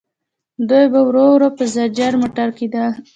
دوی به ورو ورو په زجر مړه کېدل.